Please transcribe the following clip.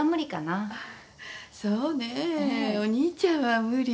そうねお兄ちゃんは無理。